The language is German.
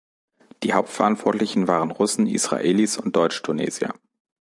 Die Hauptverantwortlichen waren Russen, Israelis und Deutsch-Tunesier.